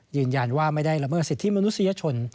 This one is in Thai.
ยืนยันว่าไม่ได้ละเมิดสิทธิมนุษยชน